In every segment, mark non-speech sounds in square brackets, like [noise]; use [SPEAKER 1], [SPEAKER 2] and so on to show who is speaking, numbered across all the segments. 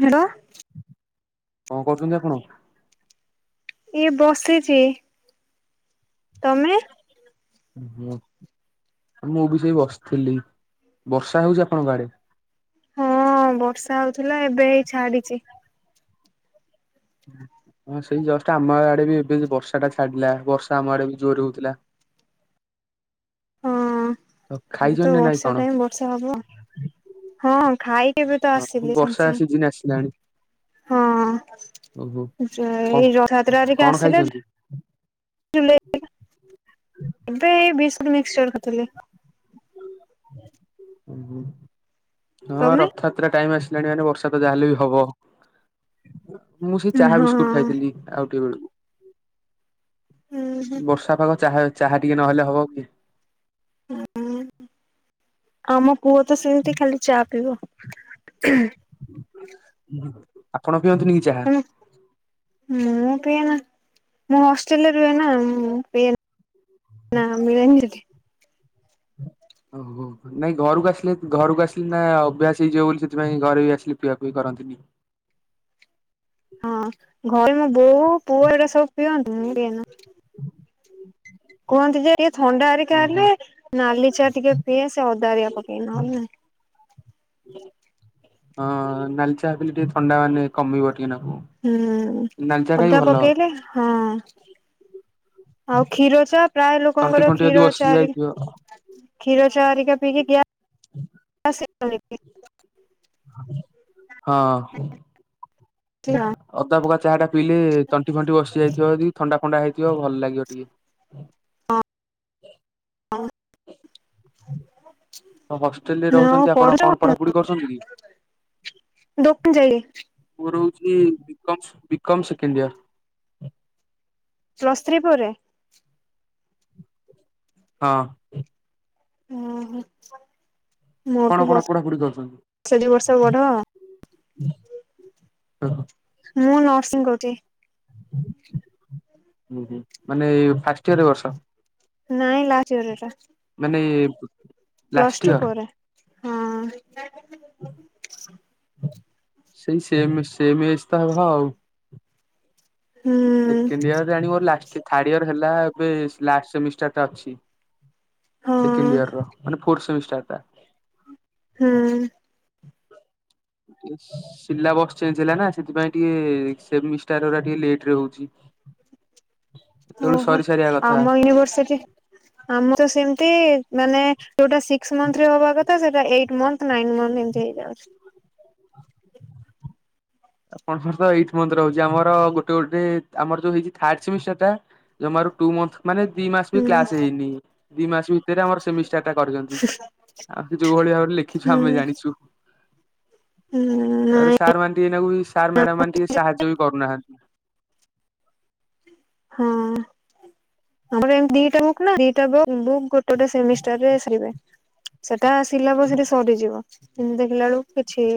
[SPEAKER 1] Hello.
[SPEAKER 2] କଣ କରୁଛନ୍ତି ଆପଣ?
[SPEAKER 1] ଏଇ ବସିଛି। ତମେ?
[SPEAKER 2] ହଁ ମୁଁ ବି ସେଇ ବସିଥିଲି ବର୍ଷା ହଉଛି ଆପଣଙ୍କ ଆଡେ।
[SPEAKER 1] ହଁ ବର୍ଷା ହଉଥିଲା ଏବେ ଏଇ ଛାଡିଛି।
[SPEAKER 2] ହଁ ସେଇ ଜଷ୍ଟ ଆମ ଆଡେ ବି ଏବେ ବର୍ଷା ଟା ଛାଡିଲା ବର୍ଷା ଆମ ଆଡେ ବି ଜୋର ହଉଥିଲା।
[SPEAKER 1] ହଁ
[SPEAKER 2] ତ
[SPEAKER 1] ଏବେ
[SPEAKER 2] ଖାଇଛନ୍ତି
[SPEAKER 1] ତ
[SPEAKER 2] ନା ନାଇଁ
[SPEAKER 1] ବର୍ଷା
[SPEAKER 2] କଣ
[SPEAKER 1] ଟାଇମ ବର୍ଷ ସା ହବ ହଁ ଖାଇକି ଏବେତ ଆସିଲି ସାଙ୍ଗେ
[SPEAKER 2] ବର୍ଷା ସିଜିନ ଆସିଲାଣି
[SPEAKER 1] ସାଙ୍ଗେ।
[SPEAKER 2] ଓହୋ
[SPEAKER 1] ହଁ ଯ
[SPEAKER 2] କଣ
[SPEAKER 1] ଏଇ ରଥଯାତ୍ରା ହେରିକା
[SPEAKER 2] କଣ
[SPEAKER 1] ଆସିଲେ
[SPEAKER 2] ଖାଇଛନ୍ତି?
[SPEAKER 1] ଏବେ ଏଇ ବିସ୍କୁଟ ମିକ୍ସଚର୍ ଖାଉଥିଲି।
[SPEAKER 2] ଉଁ ହୁଁ ହଁ
[SPEAKER 1] ତମେ
[SPEAKER 2] ରଥଯାତ୍ରା ଟାଇମ ଆସି ଲାଣି ମାନେ ବର୍ଷା ତ ଯାହାେଲେ ବି ହବ। ମୁଁ ସେ ଚାହା
[SPEAKER 1] ହଁ
[SPEAKER 2] ବିସ୍କୁଟ ଖାଇଥିଲି ଆଉ ଟିକେ ବେଳକୁ
[SPEAKER 1] ଉହୁଁ।
[SPEAKER 2] ବର୍ଷା ପାଗ ଚାହା ଚାହା ଟିକେ ନହେଲେ ହବ କି
[SPEAKER 1] ଆମ ପୁଅ ତ ସେମିତି ଖାଲି ଚା ପିଇବ।
[SPEAKER 2] ଆପଣ ପିଅନ୍ତିନି କି ଚାହା?
[SPEAKER 1] ହେଲା ମୁଁ ପାଏନା। ମୁଁ ହଷ୍ଟେଲ ରୁହେ ନା ମୁଁ ପିଏନି ନା ମିଳେନି ଏଠି।
[SPEAKER 2] ଆଉ ହଉ ନାଇଁ ଘରକୁ ଆସିଲେ ଘରକୁ ଆସିଲି ନା ଅଭ୍ୟାସ ହେଇଯିବ ବୋଲି ସେଥିପାଇଁ ଘରେ ବି ଆସିଲି ପିଆପୁଇ କରନ୍ତିନି।
[SPEAKER 1] ହଁ ଘରେ ମୋ ବୋଉ ପୁଅ ଏରା ସବୁ ପିଅନ୍ତୁ ମୁଁ ପିଏନା। କୁହନ୍ତି ଯେ ଇଏ ଥଣ୍ଡା ଆରିକା
[SPEAKER 2] ଓହୋ
[SPEAKER 1] ହେଲେ ନାଲି ଚା ଟିକେ ପିଏ ସେ ଅଦା ଆରିକା ପକେଇ ନହେଲେ ନାଇ।
[SPEAKER 2] ହଁ ନାଲି ଚା ପିଇଲେ ଟିକେ ଥଣ୍ଡା ମାନେ କମିବ ଟିକେ ନାକୁରୁ।
[SPEAKER 1] ହୁଁ ଅଦା ପକେଇଲେ ହଁ ଆଉ କ୍ଷୀର ଚା ପ୍ରାୟ
[SPEAKER 2] ତଣ୍ଟି
[SPEAKER 1] ଲୋକଙ୍କର
[SPEAKER 2] ଫଣ୍ଟି ଯଦି
[SPEAKER 1] କ୍ଷୀର
[SPEAKER 2] ବସି
[SPEAKER 1] ଚା
[SPEAKER 2] ଯାଇଥିବ
[SPEAKER 1] ରିକା ଖୀର ଚା ହରିକା ପିିଇକି ଗ୍ୟା
[SPEAKER 2] [inaudible]
[SPEAKER 1] ସେ [unintelligible]
[SPEAKER 2] ହଁ
[SPEAKER 1] ହ [unintelligible]
[SPEAKER 2] ଅଦା ପକା ଚାହା ଟା ପିଇଲେ ତଣ୍ଟି ଫଣ୍ଟି ବସିଯାଇଥିବ ଯଦି ଥଣ୍ଡା ଫଣ୍ଡା ହେଇଥିବ ଭଲ ଲାଗିବ ଟିକେ।
[SPEAKER 1] ହଁ [inaudible]
[SPEAKER 2] ତ ହଷ୍ଟେଲ ରେ
[SPEAKER 1] ଆଉ
[SPEAKER 2] ରହୁଛନ୍ତି ଆପଣ କଣ ପଢାପଢି କରୁଛନ୍ତି କି?
[SPEAKER 1] ଦୋକ ଯଳି [unintelligible]
[SPEAKER 2] ମୋର ହୋଉଚି BCom BCom second year.
[SPEAKER 1] Plus three ପରେ
[SPEAKER 2] ହଁ
[SPEAKER 1] ଓହୋ
[SPEAKER 2] ଆପଣ
[SPEAKER 1] ମୋଠୁ
[SPEAKER 2] କଣ ପଢାପଢି କରୁଛନ୍ତି?
[SPEAKER 1] ବର୍ଷେ ଦିବର୍ଷ ବଡ।
[SPEAKER 2] ହ ହ
[SPEAKER 1] ମୁଁ ନର୍ସିଂ କରୁଛି।
[SPEAKER 2] ହଁ ହୁଁ ମାନେ ଫାଷ୍ଟ ଇୟର ଏ ବର୍ଷ
[SPEAKER 1] ନାଇଁ ଲାଷ୍ଟ ଇଅର ଏଟା।
[SPEAKER 2] ମାନେ ଲାଷ୍ଟ
[SPEAKER 1] ପ୍ଲସ୍ ଟୁ
[SPEAKER 2] ଇୟର।
[SPEAKER 1] ପରେ ହଁ
[SPEAKER 2] ସେଇ ସେମ ସେମ ଏଗ ତ ହବ ଆଉ
[SPEAKER 1] ହୁଁ
[SPEAKER 2] ସେକେଣ୍ଡ ଇୟର ଜାଣି ମୋର ଲାଷ୍ଟ୍ ଥାର୍ଡ ଇୟର ହେଲା ଏବେ ଲାଷ୍ଟ ସେମିଷ୍ଟାର ଟା ଅଛି।
[SPEAKER 1] ହଁ
[SPEAKER 2] ସେକେଣ୍ଡ ଇୟର ର ମାନେ ଫୋର୍ଥ ସେମିଷ୍ଟାର ଟା
[SPEAKER 1] ହୁଁ
[SPEAKER 2] ସିଲାବସ ଚେଞ୍ଜ ହେଲା ନା ସେଥିପାଇଁ ଟିକେ ସେମିଷ୍ଟାର ଗୁରା ଟିକେ ଲେଟରେ ହଉଛି।
[SPEAKER 1] [inaudible]
[SPEAKER 2] ସେତେବେଳୁ
[SPEAKER 1] ଓହୋ
[SPEAKER 2] ସରି ସାରିବା କଥା।
[SPEAKER 1] ଆମ ୟୁନିଭରସିଟି ଆମର ତ ସେମିତି ମାନେ ଯୋଉଟା ସିକ୍ସ ମନ୍ଥରେ ହବା କଥା ସେଟା ଏଇଟ ମନ୍ଥ, ନାଇନ ମନ୍ଥ ଏମତି ହେଇଯାଉଚି।
[SPEAKER 2] ଆପଣଙ୍କର ତ ଏଇଟ ମନ୍ଥରେ ହେଉଚି ଆମର ଗୋଟେ ଗୋଟେ ଆମର ଯୋଉ ହେଇଚି ଥାର୍ଡ ସେମିଷ୍ଟାର ଟା ଯମାରୁ ଟୁ ମନ୍ଥ ମାନେ ଦି ମାସ ବି
[SPEAKER 1] ହୁଁ
[SPEAKER 2] କ୍ଲାସ୍ ହେଇନି ଦି ମାସ ଭିତରେ ଆମର ସେମିଷ୍ଟାର ଟା କରିଚନ୍ତି। ଆଉ ସେ ଯୋଉ ଭଳି ଭାବରେ ଲେଖିଚୁ
[SPEAKER 1] ହୁଁ
[SPEAKER 2] ଆମେ ଜାଣିଛୁ
[SPEAKER 1] ହୁଁ
[SPEAKER 2] ତାପରେ
[SPEAKER 1] ନାଇଁ
[SPEAKER 2] ସାର୍ ମାନେ ଟିକେ [unintelligible] ସାର୍, ମ୍ୟାଡାମ୍ ମାନେ ଟିକେ ସାହାଯ୍ୟ ବି କରୁନାହାନ୍ତି।
[SPEAKER 1] ହଁ। ଆମର ଏମତି ଦି ଟା ବୁକ୍ ନା ଦିଟା ବୁକ୍ ବୁକ୍ ଗୋଟେ ଗୋଟେ ସେମିଷ୍ଟାର୍ ରେ ସାରିବେ। ସେଟା ସିଲାବସ୍ ରେ ସରିଯିବ କିନ୍ତୁ ଦେଖିଲା ବେଳକୁ କିଛି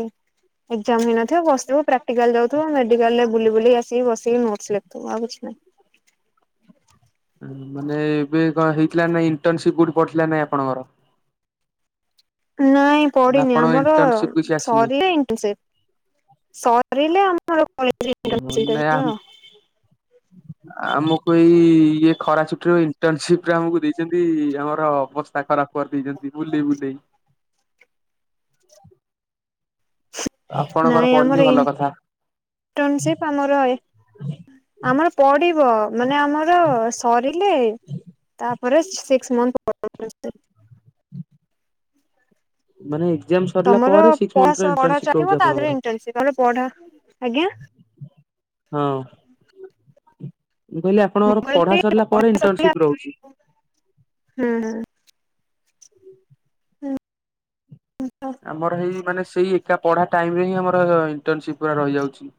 [SPEAKER 1] ଏକ୍ଜାମ୍ ହେଇନଥିବ ବସଥିବୁ ପ୍ରାକ୍ଟିକାଲ୍ ଯାଉଥିବ ମେଡିକାଲରେ ବୁଲି ବୁଲି ଆସିକି ବସିକି ନୋଟ୍ସ ଲେଖୁଥିବ ଆଉ କିଛି ନାହିଁ।
[SPEAKER 2] ଏ ମାନେ ଏବେ କଣ ହେଇଥିଲା ନା ଇଣ୍ଟନସିପ୍ କୋଉଠି ପଡ଼ିଥିଲା ନାଇଁ ଆପଣଙ୍କର?
[SPEAKER 1] ନାଇଁ
[SPEAKER 2] ନା
[SPEAKER 1] ପଡିି଼ନି
[SPEAKER 2] ଆପଣଙ୍କ
[SPEAKER 1] ଆମର
[SPEAKER 2] ଇଣ୍ଟର୍ନସିପ କିଛି ଆସିନି?
[SPEAKER 1] ସରିଲେ ଇଣ୍ଟନସିପ୍। ସରିଲେ ଆମର [inaudible]
[SPEAKER 2] ମାନେ ଆମ ଆମକୁ ଏଇ ଇଏ ଖରା ଛୁଟି ରୁ ଇଣ୍ଟନସିପ୍ ରେ ଆମକୁ ଦେଇଛନ୍ତି ଆମର ଅବସ୍ ତା ଖରାପ୍ କରି ଦେଇଚନ୍ତି ବୁଲି ବୁଲେଇ। ଆପଣଙ୍କର
[SPEAKER 1] ନାଇଁ
[SPEAKER 2] ପଡିନି
[SPEAKER 1] ଆମର
[SPEAKER 2] ଭଲ
[SPEAKER 1] ଇନ୍
[SPEAKER 2] କଥା।
[SPEAKER 1] ଟନସିପ୍ ପାମର ଅଏ ଆମର ପଡ଼ିବ। ମାନେ ଆମର ସରିଲେ ତାପରେ ସିକ୍ସ୍ ମନ୍ଥ୍ [inaudible]
[SPEAKER 2] ମାନେ ଏକ୍ଜାମ ସରିଲା
[SPEAKER 1] ତମର
[SPEAKER 2] ପରେ ସିକ୍ସ
[SPEAKER 1] ପଢ଼ା
[SPEAKER 2] ମନ୍ଥର
[SPEAKER 1] ସ ପଢା
[SPEAKER 2] ଇଣ୍ଟର୍ନସିପ ରହୁଛି
[SPEAKER 1] ଚାଲିବ
[SPEAKER 2] ଆପଣଙ୍କର
[SPEAKER 1] ତାଦେହରେ ଇଣ୍ଟନ୍ସିପ୍ ତାପରେ ପଢା ଆଜ୍ଞା।
[SPEAKER 2] ହଁ। ମୁଁ କହିଲି
[SPEAKER 1] ମୁଁ
[SPEAKER 2] ଆପଣଙ୍କର ପଢ଼ା
[SPEAKER 1] କହିଲି
[SPEAKER 2] ସରିଲା ପରେ
[SPEAKER 1] ପଢା
[SPEAKER 2] ଇଣ୍ଟନ୍
[SPEAKER 1] ସରିଲା
[SPEAKER 2] ସିପ୍ ରହୁଚି।
[SPEAKER 1] ହୁଁ।
[SPEAKER 2] ଆମର ହେଇ ମାନେ ସେଇ ଏକା ପଢ଼ା ଟାଇମ୍ ରେ ହିଁ ଆମର ଇଣ୍ଟନସିପ୍ ପୁରା ରହିଯାଉଛି।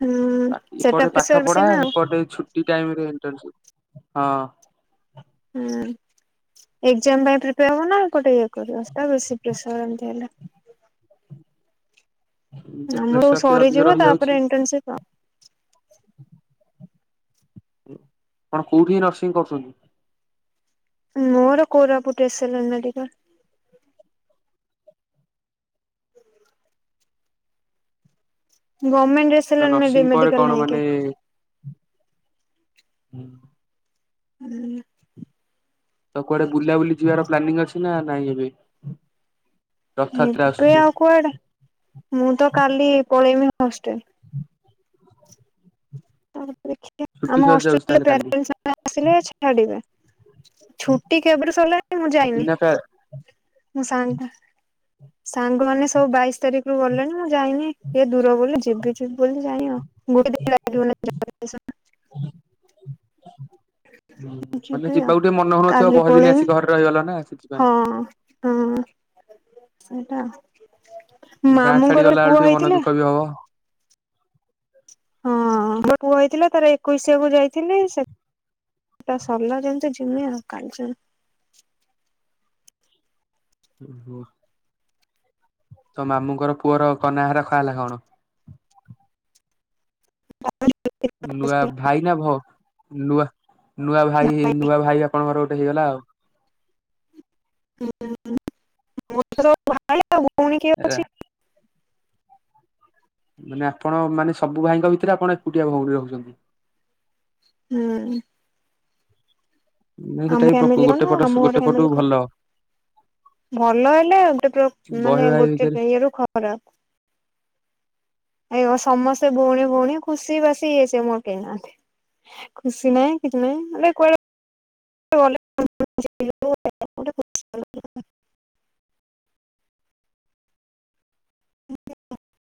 [SPEAKER 1] ହୁଁ
[SPEAKER 2] ଆ
[SPEAKER 1] ସେଟା
[SPEAKER 2] ଇପଟେ ପାଠ
[SPEAKER 1] ପ୍ରେସର
[SPEAKER 2] ପଢ଼ା
[SPEAKER 1] ବେଶୀ ନା ଆଉ
[SPEAKER 2] ହିପଟେ ଛୁଟି ଟାଇମ୍ ରେ ଇଣ୍ଟନସିପ୍ ହଁ।
[SPEAKER 1] ହୁଁ ଏକ୍ଜାମ ପାଇଁ ପ୍ରିପେୟାର୍ ହବ ନା ଏପଟେ ଇଏ କରିବ ସେଟା ବେଶୀ ପ୍ରେସର୍ ଏମତି ହେଲେ।
[SPEAKER 2] ଏମିତିରେ
[SPEAKER 1] ତମର
[SPEAKER 2] ପ୍ରେସର ଟିକେ ଅଧିକ
[SPEAKER 1] ସରିଯିବ
[SPEAKER 2] ରହିଯାଉଛି
[SPEAKER 1] ତାପରେ ଇଣ୍ଟନସିପ୍
[SPEAKER 2] ଉଁ ଆପଣ କୋଉଠି ହି ନର୍ସିଂ କରୁଚନ୍ତି?
[SPEAKER 1] ମୋର କୋରାପୁଟୁ ଏସେଲାଲ୍ ମେଡିକାଲ୍। ଗମେଣ୍ଟ
[SPEAKER 2] ତ
[SPEAKER 1] ଏସେଲାଲ୍
[SPEAKER 2] ନର୍ସିଂ ପରେ
[SPEAKER 1] ମେଡି-ମେଡିକାଲ
[SPEAKER 2] କଣ
[SPEAKER 1] ନାହିଁ କେ
[SPEAKER 2] ମାନେ ହୁଁ।
[SPEAKER 1] ହୁଁ।
[SPEAKER 2] ତ କୁଆଡ଼େ ବୁଲା ବୁଲି ଯିବାର ପ୍ଲାନିଂ ଅଛି ନା ନାଇଁ ଏବେ? ରଥଯାତ୍ରା
[SPEAKER 1] ଏବେ
[SPEAKER 2] ଆସୁଛି
[SPEAKER 1] ଆଉ କୁଆଡ଼େ ମୁଁ ତ କାଲି ପଳେଇମି ହଷ୍ଟେଲ୍। [inaudible] ଦେଖିଆ
[SPEAKER 2] ଛୁଟି
[SPEAKER 1] ଆମ
[SPEAKER 2] ସରିଯାଉଛି
[SPEAKER 1] ହଷ୍ଟେଲ ରେ
[SPEAKER 2] ତାହେଲେ
[SPEAKER 1] ପ୍ରା
[SPEAKER 2] କାଲି
[SPEAKER 1] [inaudible] ସମୟ ଆସିଲେ ଛାଡ଼ିବେ। ଛୁଟି କେବେ ଠୁ ସରିଲାଣି ମୁଁ ଯାଇନି
[SPEAKER 2] ବିନା ପା
[SPEAKER 1] ମୁଁ ସାଙ୍ଗ ଟା ସାଙ୍ଗମାନେ ସବୁ ବାଇଶି ତାରିଖରୁୁ ଗଲେଣି ମୁଁ ଯାଇନି ଇଏ ଦୂର ବୋଲି ଯିବି ଯିବି ବୋଲି ଜାଇନି ଆଉ। ଗୋଟେ ଦିନ ଲାଗିବ [unintelligible]
[SPEAKER 2] ହୁଁ ମାନେ
[SPEAKER 1] ଯିବି ଆଉ
[SPEAKER 2] ଯିବାକୁ ଟିକେ ମନ ହଉନଥିବ
[SPEAKER 1] କାଲି
[SPEAKER 2] ବହେ ଦିନ
[SPEAKER 1] ପଳେଇବି
[SPEAKER 2] ଆସି ଘରେ ରହିଗଲ ନା ସେଥିପାଇଁ।
[SPEAKER 1] ହଁ ହଁ ସେଇଟା ମାମୁଁଙ୍କର ପୁଅ ହେଇଥିଲା
[SPEAKER 2] ର
[SPEAKER 1] ହଁ ତାଙ୍କ ପୁଅ ହେଇଥିଲା ତାର ଏକୋଇଶିଆକୁ ଯାଇଥିଲି ସେ ଟା ସରିଲା ଯେମିତି ଯିମି ଆଉ କାଲଚେର୍।
[SPEAKER 2] ହୁଁ ହୁଁ। ତମ ମାମୁଙ୍କର ପୁଅର କନ୍ ନାଁ ରଖା ହେଲା କଣ? ନୂଆ ଭାଇ ନା ଭ ନୂଆ ନୂଆ ଭାଇ ନୂଆ ଭାଇ ଆପଣଙ୍କର ଗୋଟେ ହେଇଗଲା ଆଉ।
[SPEAKER 1] [unintelligible] ଭାଇ ଆଉ ଭଉଣୀ କିଏ
[SPEAKER 2] ଏ
[SPEAKER 1] ଅଛି?
[SPEAKER 2] ମାନେ ଆପଣ ମାନେ ସବୁ ଭାଇଙ୍କ ଭିତରେ ଆପଣ ଏକୁଟିଆ ଭଉଣୀ ରହୁଛନ୍ତି।
[SPEAKER 1] ହୁଁ।
[SPEAKER 2] ନାଇଁ ସେଟା
[SPEAKER 1] ଆମ
[SPEAKER 2] ବି
[SPEAKER 1] ଫ୍ୟାମିଲି
[SPEAKER 2] ଗୋଟେ
[SPEAKER 1] କଣ
[SPEAKER 2] ପଟ
[SPEAKER 1] ମାମୁଁ
[SPEAKER 2] ଗୋଟେ
[SPEAKER 1] ଘର
[SPEAKER 2] ପଟୁ
[SPEAKER 1] ଫ୍ୟାମିଲି କ
[SPEAKER 2] ଭଲ
[SPEAKER 1] ଭଲ ହେଲେ ଗୋଟେ ପୁରା
[SPEAKER 2] ବହେ
[SPEAKER 1] ମାନେ
[SPEAKER 2] ଭାଇ ଭିତରେ
[SPEAKER 1] ଗୋଟେ କେ ଇଏରୁ ଖରାପ। ଏ ଓ ସମସ୍ତେ ଭଉଣୀ ଭଉଣୀ ଖୁସି ବାସି ଏଇ ସିଏ ମୋର କେହିନାହାନ୍ତି। ଖୁସି ନାହିଁ କିଛି ନାହିଁ ମାନେ କୁଆଡ଼େ ଗଲେ [inaudible] [inaudible]